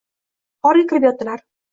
G’orga kirib yotdilar.